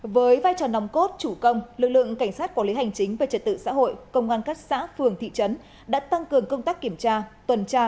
với vai trò nòng cốt chủ công lực lượng cảnh sát quản lý hành chính về trật tự xã hội công an các xã phường thị trấn đã tăng cường công tác kiểm tra